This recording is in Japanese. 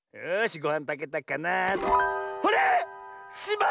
よし！